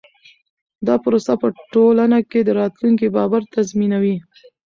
دا پروسه په ټولنه کې راتلونکی باور تضمینوي.